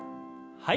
はい。